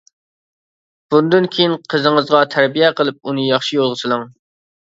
بۇندىن كىيىن قىزىڭىزغا تەربىيە قىلىپ ئۇنى ياخشى يولغا سېلىڭ.